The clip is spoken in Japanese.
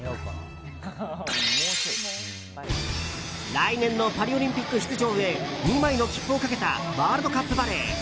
来年のパリオリンピック出場へ２枚の切符をかけたワールドカップバレー。